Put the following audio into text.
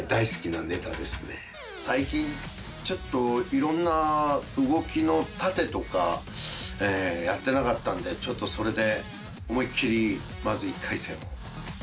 最近ちょっといろんな動きの殺陣とかやってなかったんでちょっとそれで思いっきりまず１回戦を。